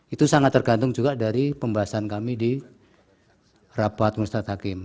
itu sangat tergantung juga dari pembahasan kami di rapat mustad hakim